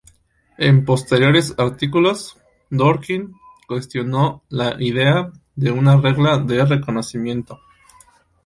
En posteriores artículos Dworkin cuestionó la idea de una regla de reconocimiento.